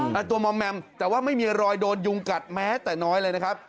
แต่ตัวมอมแมมแต่ว่าไม่มีรอยโดนยุงกัดแม้แต่น้อยเลยนะครับ